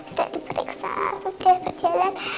sudah diperiksa sudah berjalan